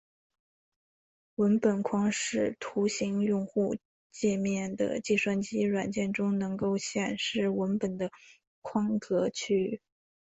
文本框是图形用户界面的计算机软件中能够显示文本的框格区域。